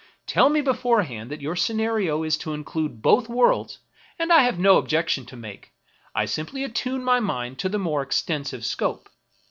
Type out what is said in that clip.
Tell me beforehand that your scenario is to include both worlds, and I have no objection to make ; I simply attune my mind to the more extensive scope.